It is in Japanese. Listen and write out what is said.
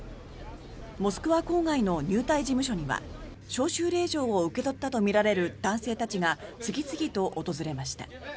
モスクワ郊外の入隊事務所には招集令状を受け取ったとみられる男性たちが次々と訪れました。